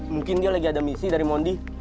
mungkin dia lagi ada misi dari mondi